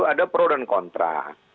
ada pro dan kontra